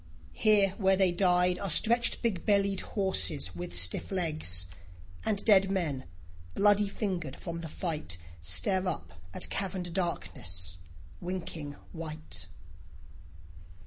Here where they died Are stretched big bellied horses with stiff legs; And dead men, bloody fingered from the fight, Stare up at caverned darkness winking white.